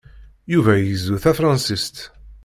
Yuba igezzu tafṛansist.